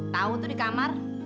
tahu tuh di kamar